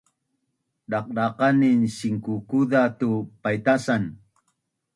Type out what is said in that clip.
Daqdaqanin sinkukuza tu’ paitasan